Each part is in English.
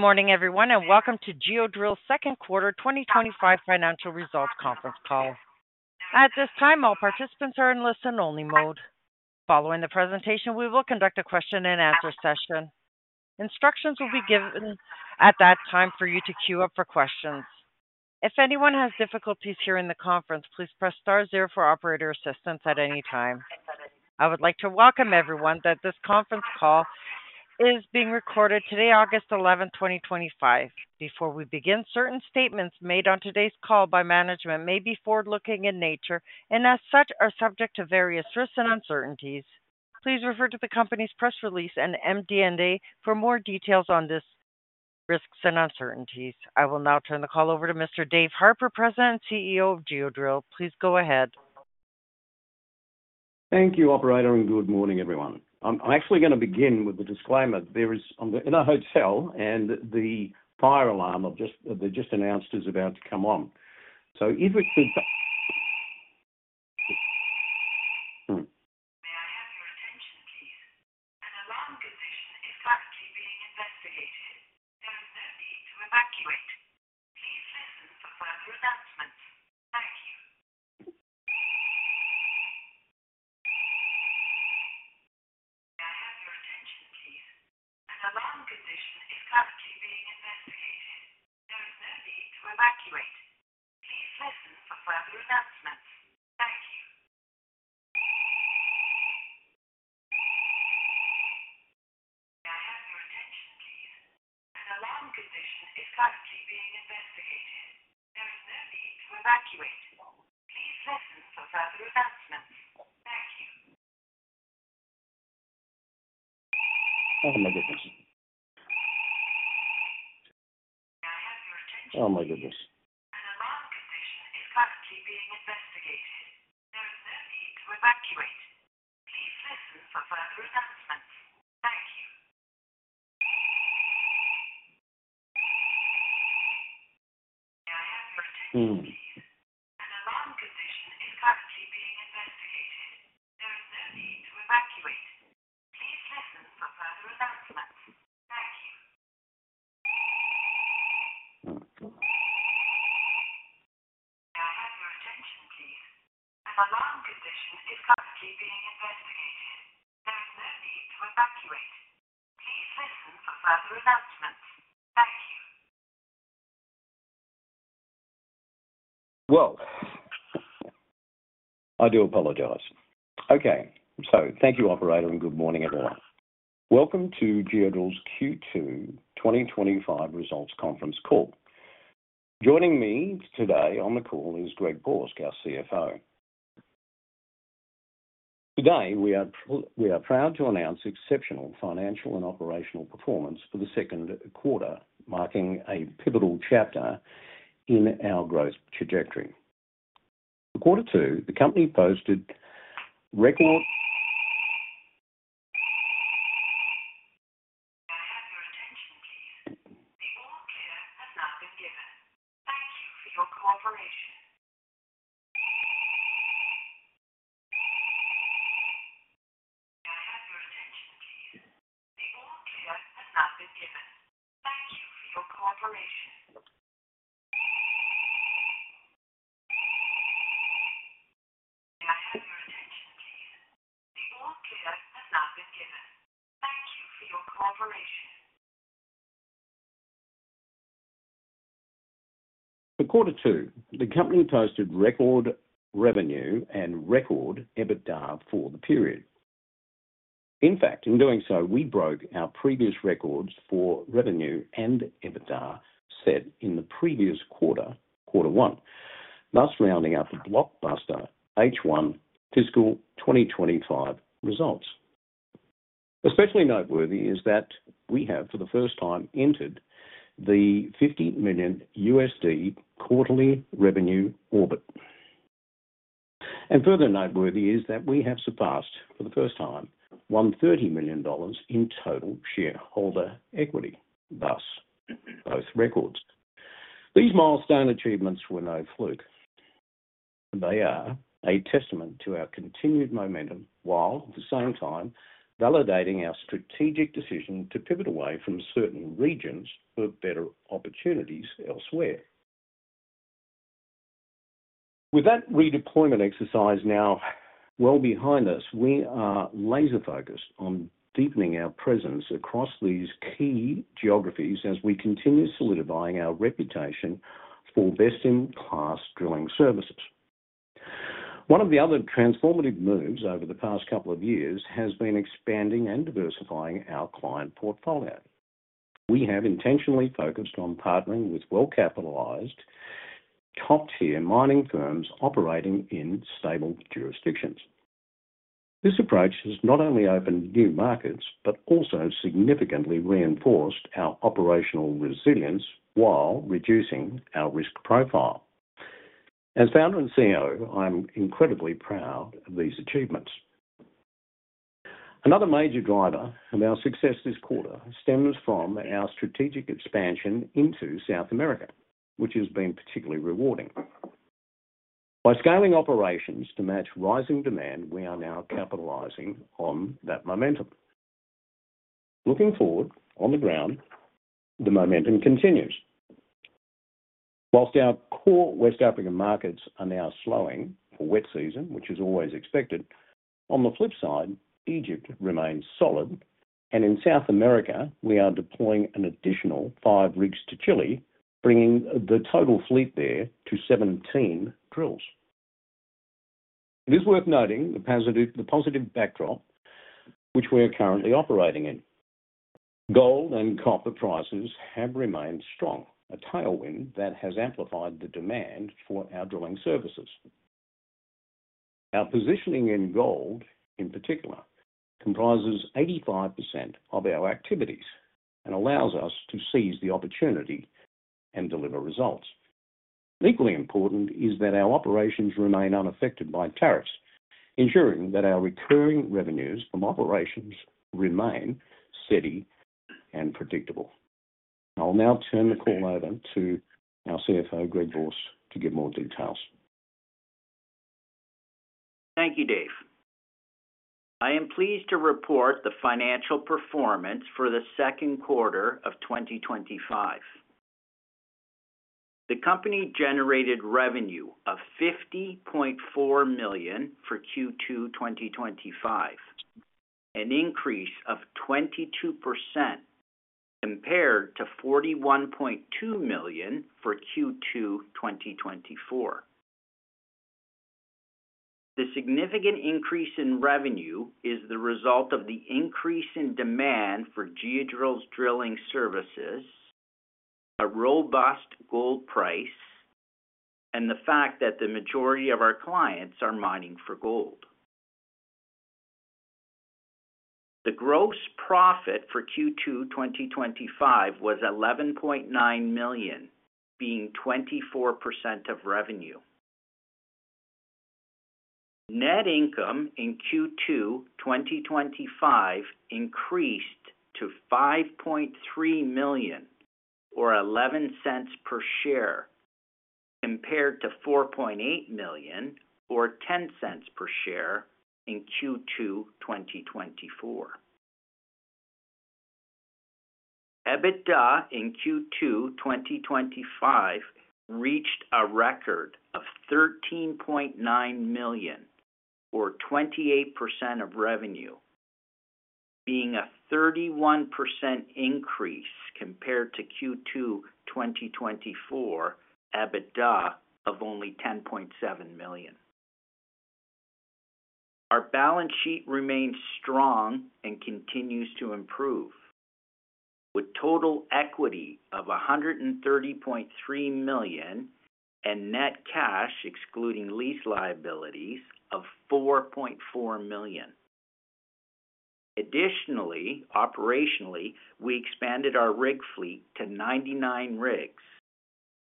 Good morning, everyone, and welcome to Geodrill Limited's Second Quarter 2025 Financial Results Conference Call. At this time, all participants are in listen-only mode. Following the presentation, we will conduct a question-and-answer session. Instructions will be given at that time for you to queue up for questions. If anyone has difficulties hearing the conference, please press star zero for operator assistance at any time. I would like to welcome everyone that this conference call is being recorded today, August 11, 2025. Before we begin, certain statements made on today's call by management may be forward-looking in nature and, as such, are subject to various risks and uncertainties. Please refer to the company's press release and MD&A for more details on these risks and uncertainties. I will now turn the call over to Mr. Dave Harper, President and CEO of Geodrill. Please go ahead. Thank you, operator, and good morning, everyone. I'm actually going to begin with the disclaimer. There is, in our hotel, the fire alarm that they just announced is about to come on. If we If you know to evacuate, please listen for further announcements. Thank you. May I have your attention, please? An alarm condition is currently being investigated. If you know to evacuate, please listen for further announcements. I do apologize. Thank you, operator, and good morning, everyone. Welcome to Geodrill's Q2 2025 Results Conference Call. Joining me today on the call is Greg Borsk, our CFO. Today, we are proud to announce exceptional financial and operational performance for the second quarter, marking a pivotal chapter in our growth trajectory. Quarter two, the company posted record... May I have your attention, please? The order has now been given. Thank you for your cooperation. May I have your attention, please? The order has now been given. Thank you for your cooperation. Attention, please. The order has now been given. Thank you for your cooperation. For quarter two, the company posted record revenue and record EBITDA for the period. In fact, in doing so, we broke our previous records for revenue and EBITDA set in the previous quarter, quarter one, thus rounding out the blockbuster H1 fiscal 2025 results. Especially noteworthy is that we have, for the first time, entered the $50 million quarterly revenue orbit. Further noteworthy is that we have surpassed, for the first time, $130 million in total shareholder equity, thus both records. These milestone achievements were no fluke. They are a testament to our continued momentum while, at the same time, validating our strategic decision to pivot away from certain regions for better opportunities elsewhere. With that redeployment exercise now well behind us, we are laser-focused on deepening our presence across these key geographies as we continue solidifying our reputation for best-in-class drilling services. One of the other transformative moves over the past couple of years has been expanding and diversifying our client portfolio. We have intentionally focused on partnering with well-capitalized, top-tier mining firms operating in stable jurisdictions. This approach has not only opened new markets, but also significantly reinforced our operational resilience while reducing our risk profile. As Founder and CEO, I'm incredibly proud of these achievements. Another major driver of our success this quarter stems from our strategic expansion into South America, which has been particularly rewarding. By scaling operations to match rising demand, we are now capitalizing on that momentum. Looking forward, on the ground, the momentum continues. Whilst our core West African markets are now slowing for wet season, which is always expected, on the flip side, Egypt remains solid, and in South America, we are deploying an additional five rigs to Chile, bringing the total fleet there to 17 drills. It is worth noting the positive backdrop which we are currently operating in. Gold and copper prices have remained strong, a tailwind that has amplified the demand for our drilling services. Our positioning in gold, in particular, comprises 85% of our activities and allows us to seize the opportunity and deliver results. Equally important is that our operations remain unaffected by tariffs, ensuring that our recurring revenues from operations remain steady and predictable. I'll now turn the call over to our CFO, Greg Borsk, to give more details. Thank you, Dave. I am pleased to report the financial performance for the second quarter of 2025. The company generated revenue of $50.4 million for Q2 2025, an increase of 22% compared to $41.2 million for Q2 2024. The significant increase in revenue is the result of the increase in demand for Geodrill's drilling services, a robust gold price, and the fact that the majority of our clients are mining for gold. The gross profit for Q2 2025 was $11.9 million, being 24% of revenue. Net income in Q2 2025 increased to $5.3 million, or $0.11 per share, compared to $4.8 million, or $0.10 per share in Q2 2024. EBITDA in Q2 2025 reached a record of $13.9 million, or 28% of revenue, being a 31% increase compared to Q2 2024 EBITDA of only $10.7 million. Our balance sheet remains strong and continues to improve, with total equity of $130.3 million and net cash, excluding lease liabilities, of $4.4 million. Additionally, operationally, we expanded our rig fleet to 99 rigs,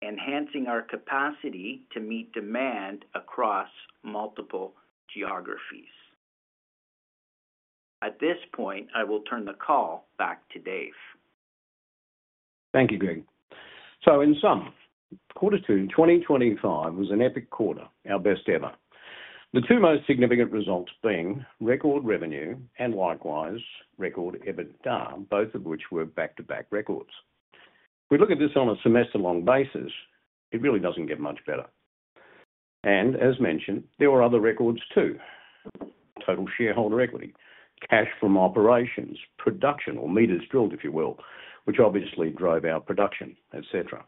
enhancing our capacity to meet demand across multiple geographies. At this point, I will turn the call back to Dave. Thank you, Greg. In sum, quarter two 2025 was an epic quarter, our best ever. The two most significant results being record revenue and likewise record EBITDA, both of which were back-to-back records. If we look at this on a semester-long basis, it really doesn't get much better. As mentioned, there were other records too: total shareholder equity, cash from operations, production, or meters drilled, if you will, which obviously drove our production, etc.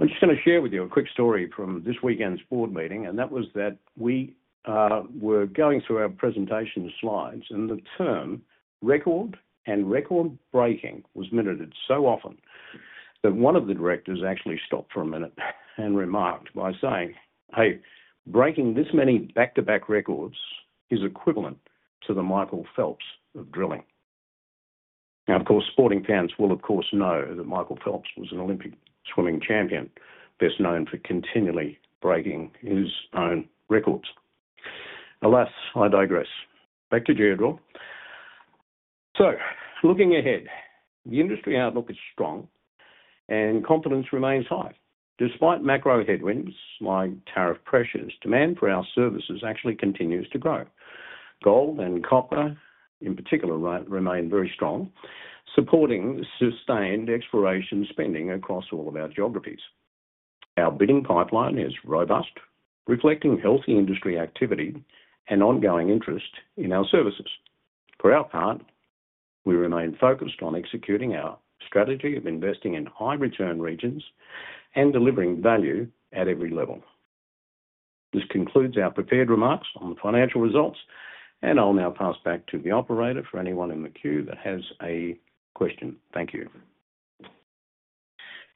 I'm just going to share with you a quick story from this weekend's board meeting, and that was that we were going through our presentation slides, and the term "record" and "record-breaking" was muted so often that one of the directors actually stopped for a minute and remarked by saying, "Hey, breaking this many back-to-back records is equivalent to the Michael Phelps of drilling." Of course, sporting fans will of course know that Michael Phelps was an Olympic swimming champion, best known for continually breaking his own records. Alas, I digress. Back to Geodrill. Looking ahead, the industry outlook is strong and confidence remains high. Despite macro headwinds, like tariff pressures, demand for our services actually continues to grow. Gold and copper, in particular, remain very strong, supporting sustained exploration spending across all of our geographies. Our bidding pipeline is robust, reflecting healthy industry activity and ongoing interest in our services. For our part, we remain focused on executing our strategy of investing in high-return regions and delivering value at every level. This concludes our prepared remarks on the financial results, and I'll now pass back to the operator for anyone in the queue that has a question. Thank you.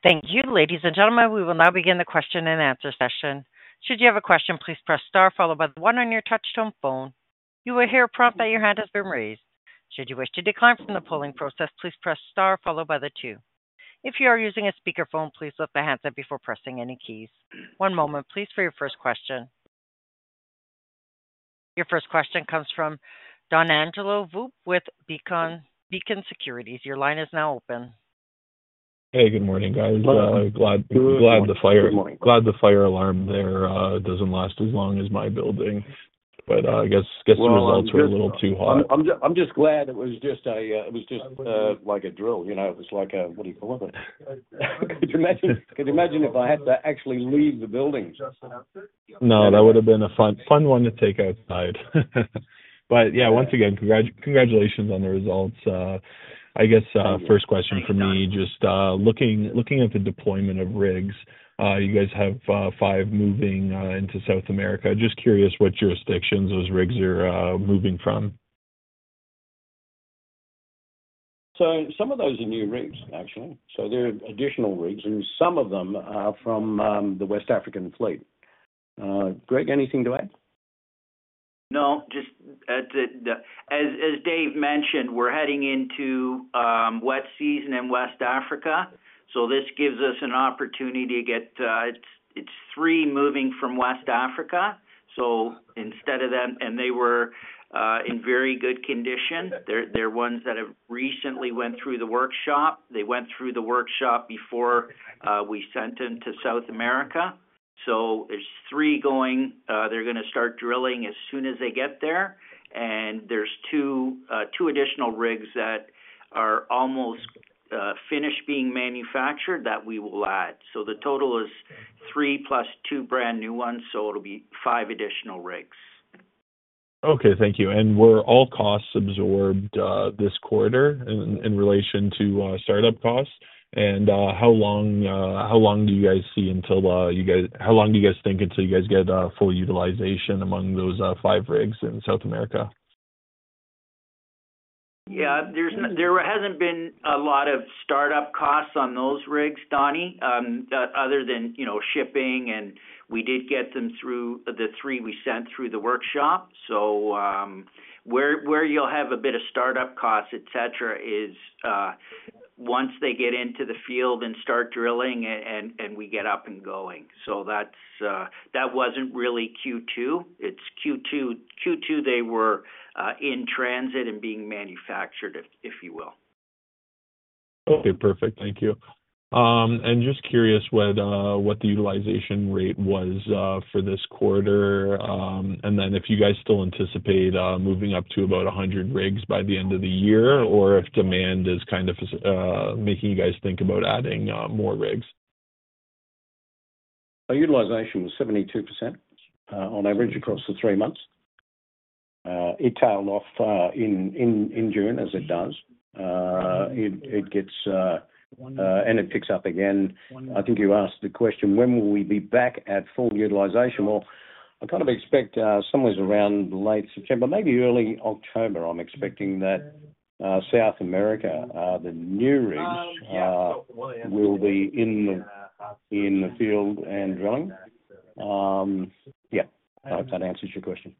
Thank you, ladies and gentlemen. We will now begin the question-and-answer session. Should you have a question, please press star followed by the one on your touch-tone phone. You will hear a prompt that your hand has been raised. Should you wish to decline from the polling process, please press star followed by the two. If you are using a speakerphone, please lift the handset before pressing any keys. One moment, please, for your first question. Your first question comes from Donangelo Volpe with Beacon Securities. Your line is now open. Hey, good morning, guys. Glad the fire alarm there doesn't last as long as my building, but I guess the results are a little too hot. I'm just glad it was just like a drill, you know, it was like a, what do you call it? Could you imagine if I had to actually leave the building? No, that would have been a fun one to take outside. Yeah, once again, congratulations on the results. I guess first question for me, just looking at the deployment of rigs, you guys have five moving into South America. Just curious what jurisdictions those rigs are moving from. Some of those are new rigs, actually. They're additional rigs, and some of them are from the West African fleet. Greg, anything to add? No, just as Dave mentioned, we're heading into wet season in West Africa. This gives us an opportunity to get, it's three moving from West Africa. Instead of them, and they were in very good condition, they're ones that have recently went through the workshop. They went through the workshop before we sent them to South America. There's three going, they're going to start drilling as soon as they get there. There's two additional rigs that are almost finished being manufactured that we will add. The total is three plus two brand new ones. It'll be five additional rigs. Okay, thank you. Were all costs absorbed this quarter in relation to startup costs? How long do you guys see until you guys, how long do you guys think until you guys get full utilization among those five rigs in South America? Yeah, there hasn't been a lot of startup costs on those rigs, Donny, other than, you know, shipping. We did get them through the three we sent through the workshop. Where you'll have a bit of startup costs, etc., is once they get into the field and start drilling and we get up and going. That wasn't really Q2. It's Q2. Q2, they were in transit and being manufactured, if you will. Okay, perfect. Thank you. Just curious what the utilization rate was for this quarter. If you guys still anticipate moving up to about 100 rigs by the end of the year, or if demand is kind of making you guys think about adding more rigs. Our utilization was 72% on average across the three months. It tailed off in June as it does. It gets, and it picks up again. I think you asked the question, when will we be back at full utilization? I kind of expect somewhere around late September, maybe early October. I'm expecting that South America, the new rigs will be in the field and drilling. I hope that answers your question.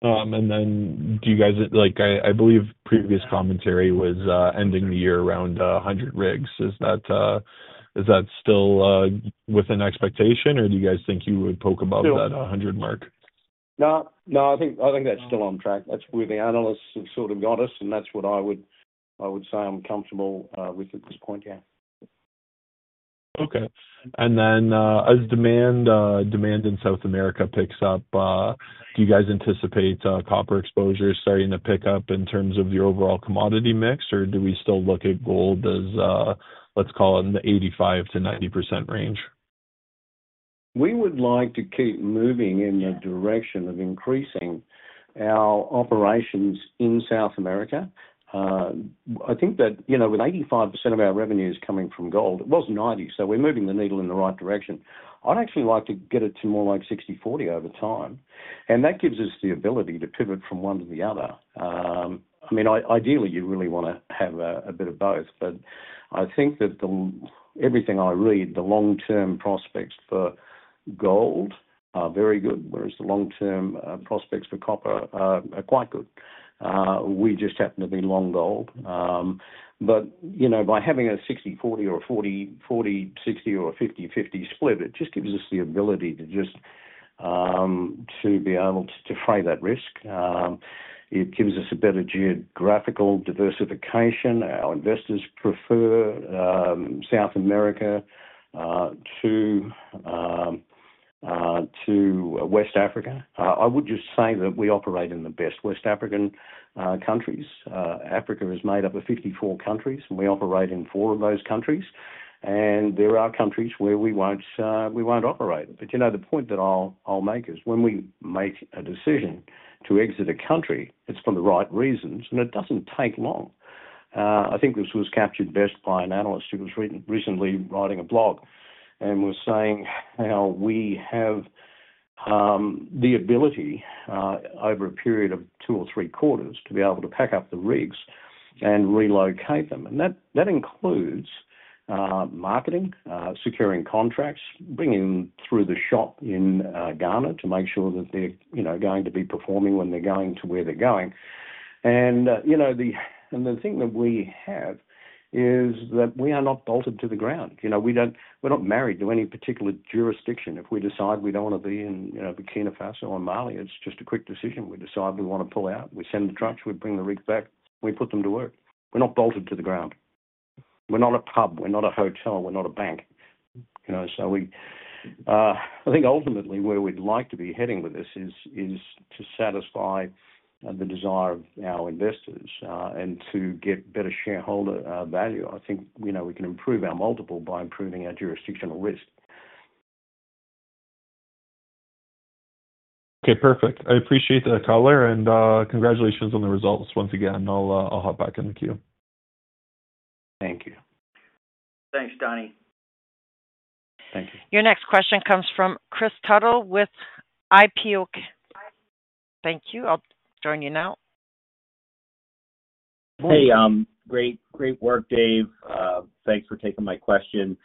Do you guys, like I believe previous commentary was ending the year around 100 rigs. Is that still within expectation, or do you guys think you would poke above that 100 mark? No, no, I think that's still on track. That's where the analysts have sort of got us, and that's what I would say I'm comfortable with at this point. Yeah. Okay. As demand in South America picks up, do you guys anticipate copper exposure starting to pick up in terms of your overall commodity mix, or do we still look at gold as, let's call it in the 85%-90% range? We would like to keep moving in the direction of increasing our operations in South America. I think that, you know, with 85% of our revenues coming from gold, it was 90%, so we're moving the needle in the right direction. I'd actually like to get it to more like 60/40 over time. That gives us the ability to pivot from one to the other. Ideally, you really want to have a bit of both, but I think that everything I read, the long-term prospects for gold are very good, whereas the long-term prospects for copper are quite good. We just happen to be long gold. By having a 60/40 or a 40/60 or a 50/50 split, it just gives us the ability to just be able to fray that risk. It gives us a better geographical diversification. Our investors prefer South America to West Africa. I would just say that we operate in the best West African countries. Africa is made up of 54 countries, and we operate in four of those countries. There are countries where we won't operate. The point that I'll make is when we make a decision to exit a country, it's for the right reasons, and it doesn't take long. I think this was captured best by an analyst who was recently writing a blog and was saying how we have the ability over a period of two or three quarters to be able to pack up the rigs and relocate them. That includes marketing, securing contracts, bringing them through the shop in Ghana to make sure that they're going to be performing when they're going to where they're going. The thing that we have is that we are not bolted to the ground. We don't, we're not married to any particular jurisdiction. If we decide we don't want to be in Burkina Faso or Mali, it's just a quick decision. We decide we want to pull out. We send the trucks, we bring the rigs back, we put them to work. We're not bolted to the ground. We're not a pub. We're not a hotel. We're not a bank. I think ultimately where we'd like to be heading with this is to satisfy the desire of our investors and to get better shareholder value. I think, you know, we can improve our multiple by improving our jurisdictional risk. Okay, perfect. I appreciate the color, and congratulations on the results once again. I'll hop back in the queue. Thank you. Thanks, Donny. Thank you. Your next question comes from Kris Tuttle with IPO Candy. Thank you. I'll join you now. Hey, great work, Dave. Thanks for taking my question.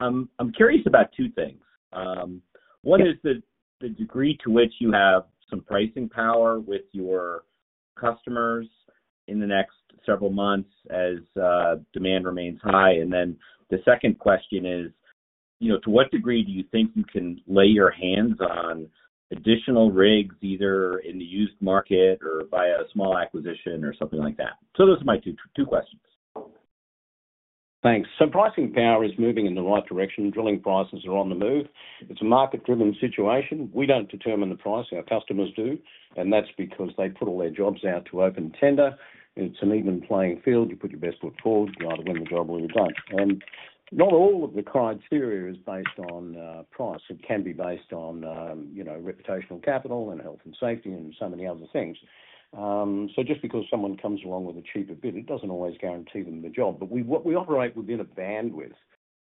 I'm curious about two things. One is the degree to which you have some pricing power with your customers in the next several months as demand remains high. The second question is, you know, to what degree do you think you can lay your hands on additional rigs, either in the used market or via a small acquisition or something like that? Those are my two questions. Thanks. Pricing power is moving in the right direction. Drilling prices are on the move. It's a market-driven situation. We don't determine the pricing. Our customers do. That's because they've put all their jobs out to open tender. It's an even playing field. You put your best foot forward, you either win the job or you don't. Not all of the criteria is based on price. It can be based on reputational capital and health and safety and so many other things. Just because someone comes along with a cheaper bid, it doesn't always guarantee them the job. We operate within a bandwidth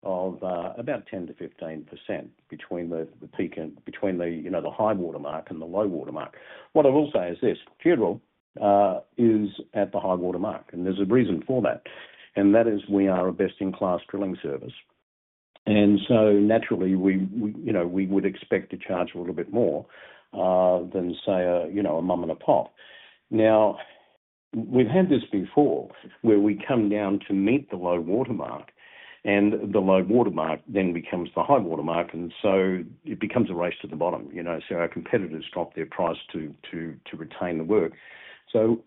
of about 10%-15% between the peak and the high watermark and the low watermark. What I will say is this, Geodrill is at the high watermark. There's a reason for that. That is we are a best-in-class drilling service. Naturally, we would expect to charge a little bit more than, say, a mom and a pop. We've had this before where we come down to meet the low watermark, and the low watermark then becomes the high watermark. It becomes a race to the bottom. Our competitors drop their price to retain the work.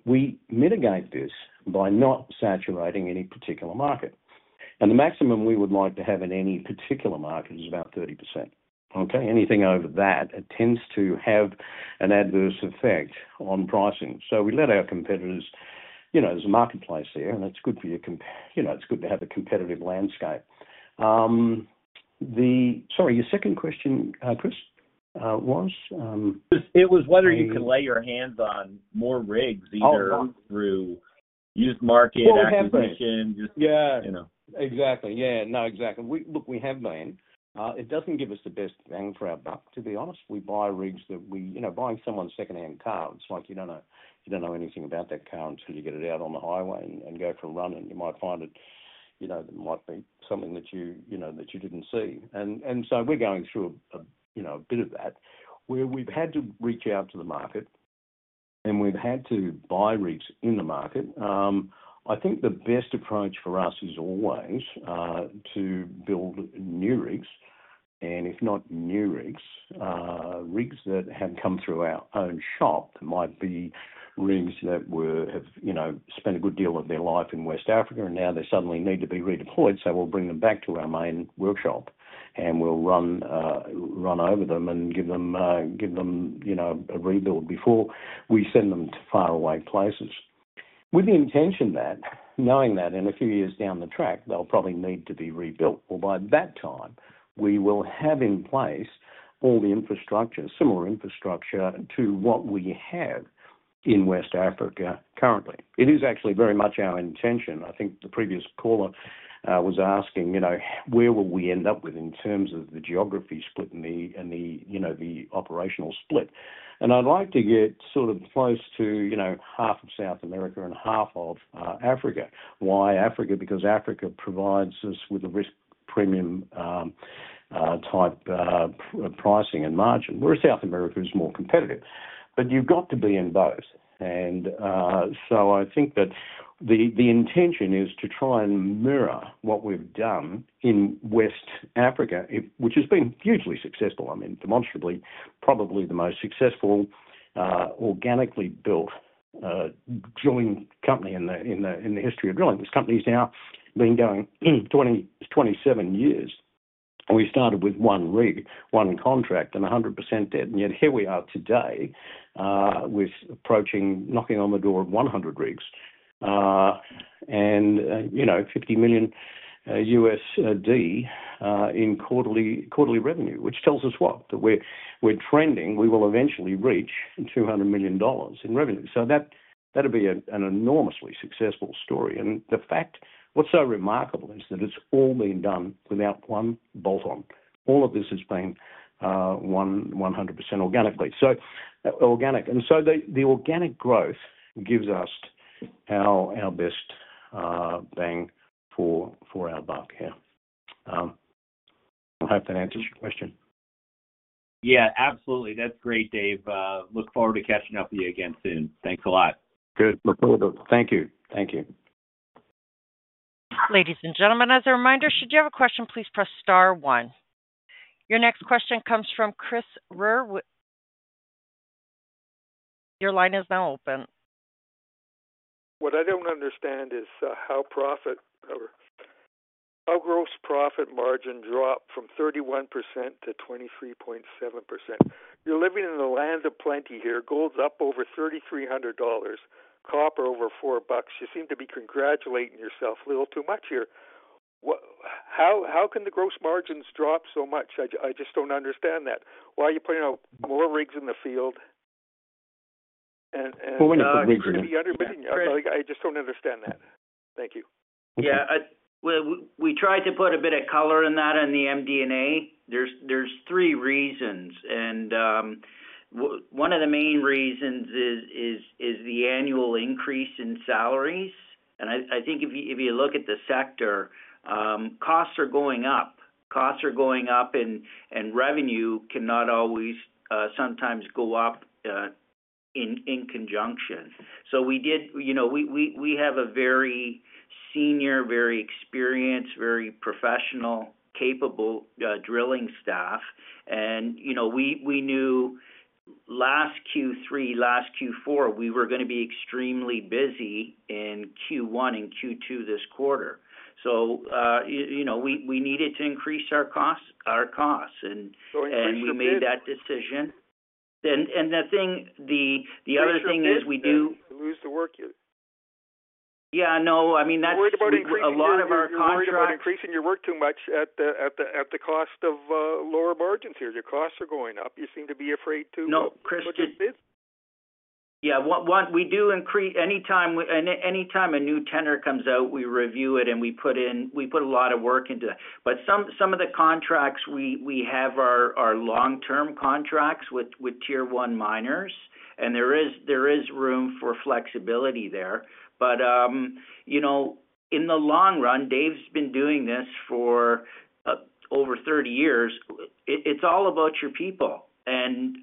We mitigate this by not saturating any particular market. The maximum we would like to have in any particular market is about 30%. Anything over that tends to have an adverse effect on pricing. We let our competitors, there's a marketplace there, and it's good to have a competitive landscape. Sorry, your second question, Kris, was? It was whether you could lay your hands on more rigs, either through used market or acquisition. Yeah, exactly. Yeah, no, exactly. Look, we have known it doesn't give us the best bang for our buck, to be honest. We buy rigs that we, you know, buying someone's second-hand car. It's like you don't know anything about that car until you get it out on the highway and go for a run. You might find it, you know, that might be something that you, you know, that you didn't see. We're going through a bit of that where we've had to reach out to the market and we've had to buy rigs in the market. I think the best approach for us is always to build new rigs. If not new rigs, rigs that had come through our own shop, that might be rigs that have spent a good deal of their life in West Africa and now they suddenly need to be redeployed. We'll bring them back to our main workshop and we'll run over them and give them a rebuild before we send them to far away places, with the intention that, knowing that in a few years down the track, they'll probably need to be rebuilt. By that time, we will have in place all the infrastructure, similar infrastructure to what we have in West Africa currently. It is actually very much our intention. I think the previous caller was asking where will we end up with in terms of the geography split and the operational split. I'd like to get sort of close to half of South America and half of Africa. Why Africa? Because Africa provides us with a risk premium type pricing and margin, whereas South America is more competitive. You've got to be in both. I think that the intention is to try and mirror what we've done in West Africa, which has been hugely successful. I mean, demonstrably, probably the most successful organically built drilling company in the history of drilling. This company has now been going 27 years. We started with one rig, one contract, and 100% debt. Yet here we are today with approaching, knocking on the door at 100 rigs and $50 million in quarterly revenue, which tells us what? That we're trending, we will eventually reach $200 million in revenue. That'd be an enormously successful story. The fact, what's so remarkable is that it's all been done without one bolt-on. All of this has been 100% organically. So organic. The organic growth gives us our best bang for our buck. Yeah. I hope that answers your question. Yeah, absolutely. That's great, Dave. Look forward to catching up with you again soon. Thanks a lot. Good. Look forward to it. Thank you. Thank you. Ladies and gentlemen, as a reminder, should you have a question, please press star one. Your next question comes from Chris Rehr. Your line is now open. What I don't understand is how profit or how gross profit margin dropped from 31% to 23.7%. You're living in the lands of plenty here. Gold's up over $3,300. Copper over $4. You seem to be congratulating yourself a little too much here. How can the gross margins drop so much? I just don't understand that. Why are you putting out more rigs in the field? We're not rigging anymore. I just don't understand that. Thank you. Yeah. We tried to put a bit of color in that on the MD&A. There are three reasons. One of the main reasons is the annual increase in salaries. I think if you look at the sector, costs are going up. Costs are going up, and revenue cannot always sometimes go up in conjunction. We have a very senior, very experienced, very professional, capable drilling staff. We knew last Q3, last Q4, we were going to be extremely busy in Q1 and Q2 this quarter. We needed to increase our costs, and we made that decision. The other thing is we do. You're afraid to lose the work here. Yeah, no, I mean that's a lot of our contracts. You're afraid to lose your work too much at the cost of lower margins here. Your costs are going up. You seem to be afraid to. No, Chris. What this is. Yeah, we do increase anytime a new tender comes out, we review it and we put in, we put a lot of work into that. Some of the contracts we have are long-term contracts with tier one miners, and there is room for flexibility there. In the long run, Dave's been doing this for over 30 years. It's all about your people, and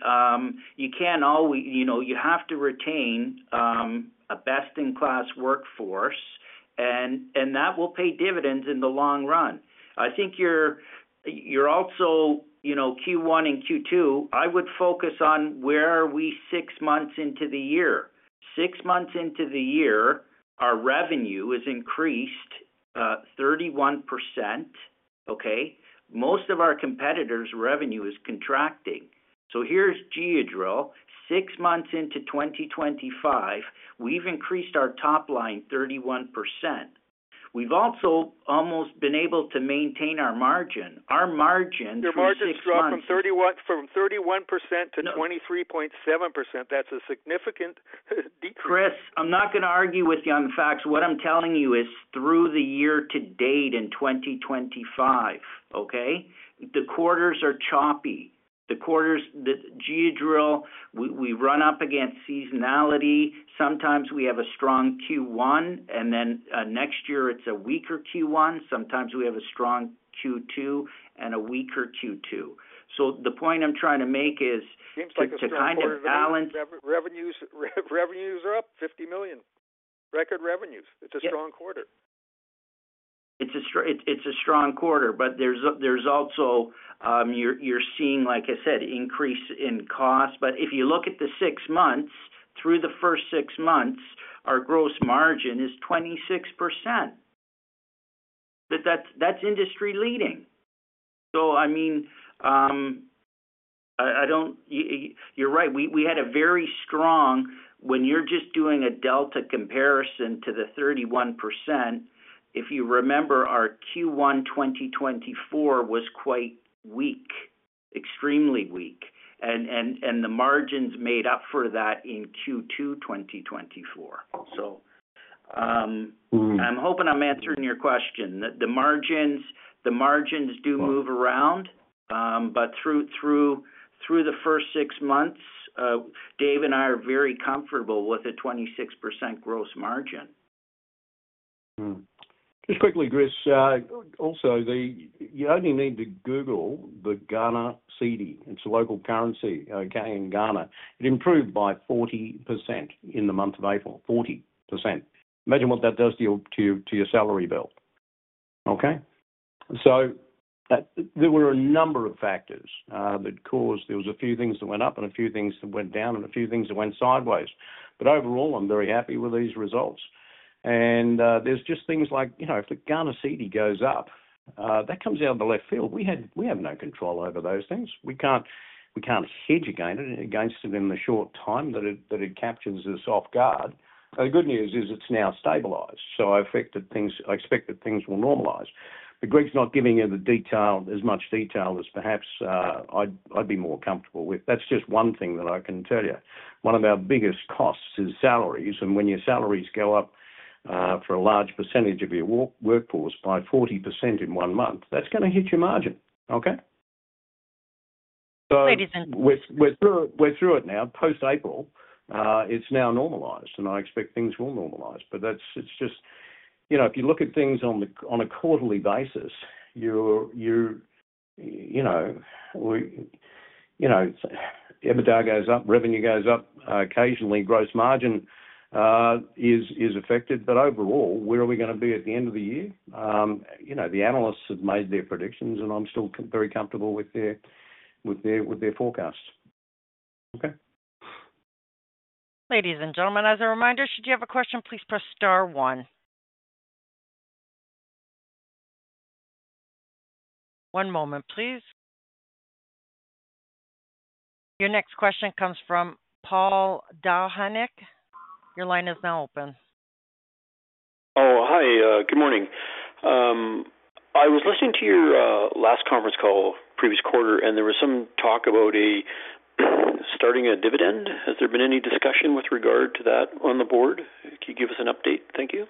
you can't always, you know, you have to retain a best-in-class workforce. That will pay dividends in the long run. I think you're also, you know, Q1 and Q2, I would focus on where are we six months into the year. Six months into the year, our revenue has increased 31%. Most of our competitors' revenue is contracting. Here's Geodrill, six months into 2025, we've increased our top line 31%. We've also almost been able to maintain our margin. Our margin through six months. From 31% to 23.7%, that's a significant decrease. Chris, I'm not going to argue with you on facts. What I'm telling you is through the year to date in 2025, okay? The quarters are choppy. The quarters, Geodrill, we run up against seasonality. Sometimes we have a strong Q1, and then next year it's a weaker Q1. Sometimes we have a strong Q2 and a weaker Q2. The point I'm trying to make is to kind of balance. Revenues are up $50 million. Record revenues. It's a strong quarter. It's a strong quarter, but there's also, like I said, an increase in cost. If you look at the six months, through the first six months, our gross margin is 26%. That's industry-leading. You're right. We had a very strong, when you're just doing a delta comparison to the 31%, if you remember, our Q1 2024 was quite weak, extremely weak, and the margins made up for that in Q2 2024. I'm hoping I'm answering your question. The margins do move around, but through the first six months, Dave and I are very comfortable with a 26% gross margin. Just quickly, Chris, also, you only need to Google the Ghana cedi. It's a local currency, okay, in Ghana. It improved by 40% in the month of April, 40%. Imagine what that does to your salary bill. There were a number of factors that caused there were a few things that went up and a few things that went down and a few things that went sideways. Overall, I'm very happy with these results. There's just things like, you know, if the Ghana cedi goes up, that comes out of the left field. We have no control over those things. We can't hedge against it in the short time that it captures a soft guard. The good news is it's now stabilized. I expect that things will normalize. Greg's not giving you the detail, as much detail as perhaps I'd be more comfortable with. That's just one thing that I can tell you. One of our biggest costs is salaries. When your salaries go up for a large percentage of your workforce by 40% in one month, that's going to hit your margin. We're through it now. Post-April, it's now normalized, and I expect things will normalize. It's just, you know, if you look at things on a quarterly basis, you know, EBITDA goes up, revenue goes up, occasionally gross margin is affected. Overall, where are we going to be at the end of the year? The analysts have made their predictions, and I'm still very comfortable with their forecast. Ladies and gentlemen, as a reminder, should you have a question, please press star one. One moment, please. Your next question comes from Paul Dahonik. Your line is now open. Oh, hi. Good morning. I was listening to your last conference call previous quarter, and there was some talk about starting a dividend. Has there been any discussion with regard to that on the board? Can you give us an update? Thank you.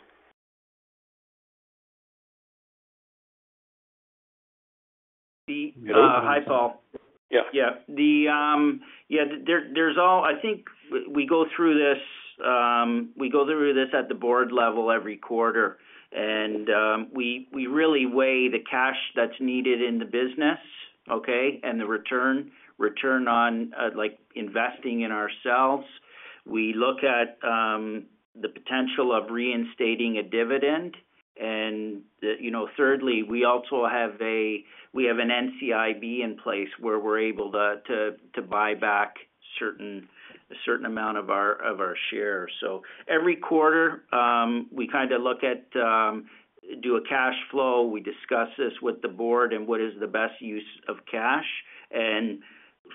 Hi, Paul. Yeah. Yeah, we go through this at the board level every quarter. We really weigh the cash that's needed in the business, and the return on investing in ourselves. We look at the potential of reinstating a dividend. Thirdly, we also have an NCIB in place where we're able to buy back a certain amount of our shares. Every quarter, we look at and do a cash flow. We discuss this with the board and what is the best use of cash.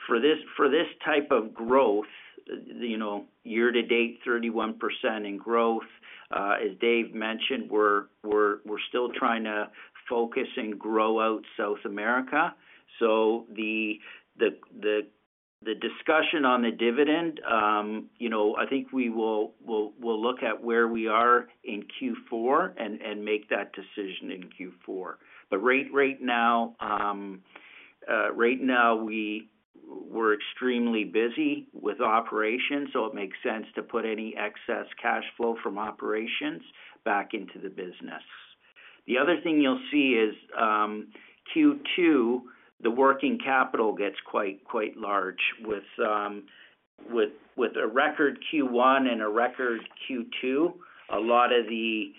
For this type of growth, year-to-date 31% in growth, as Dave mentioned, we're still trying to focus and grow out South America. The discussion on the dividend, I think we will look at where we are in Q4 and make that decision in Q4. Right now we're extremely busy with operations, so it makes sense to put any excess cash flow from operations back into the business. The other thing you'll see is, Q2, the working capital gets quite large. With a record Q1 and a record Q2, a lot of the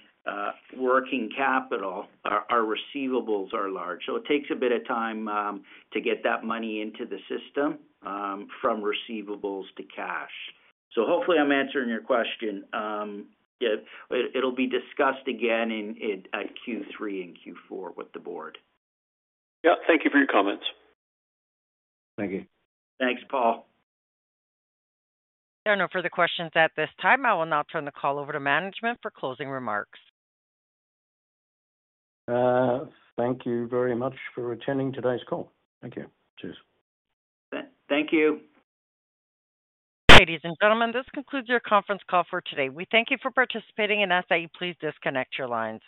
working capital, our receivables are large. It takes a bit of time to get that money into the system, from receivables to cash. Hopefully I'm answering your question. It'll be discussed again in Q3 and Q4 with the board. Yeah, thank you for your comments. Thank you. Thanks, Paul. There are no further questions at this time. I will now turn the call over to management for closing remarks. Thank you very much for attending today's call. Thank you. Cheers. Thank you. Ladies and gentlemen, this concludes your conference call for today. We thank you for participating and ask that you please disconnect your lines.